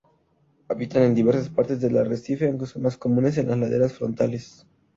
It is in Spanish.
Habitan en diversas partes del arrecife, aunque son más comunes en las laderas frontales.